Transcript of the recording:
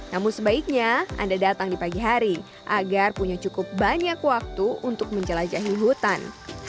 namun sebaiknya anda datang di pagi hari agar punya cukup banyak waktu untuk menjelajahi hutan